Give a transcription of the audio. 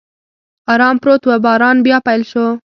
ارام پروت و، باران بیا پیل شو.